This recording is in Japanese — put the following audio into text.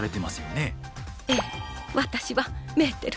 ええ私はメーテル。